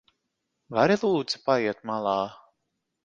Vari lūdzu paiet malā?